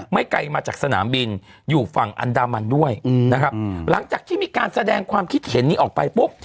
ไกลมาจากสนามบินอยู่ฝั่งอันดามันด้วยนะครับหลังจากที่มีการแสดงความคิดเห็นนี้ออกไปปุ๊บ